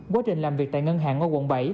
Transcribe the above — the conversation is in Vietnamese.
quá trình làm việc tại ngân hàng ở quận bảy